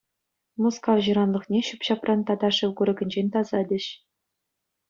Мускав ҫыранлӑхне ҫӳп-ҫапран тата шыв курӑкӗнчен тасатӗҫ.